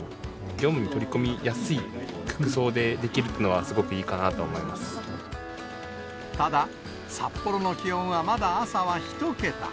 業務に取り組みやすい服装でできるっていうのはすごくいいかなとただ、札幌の気温はまだ朝は１桁。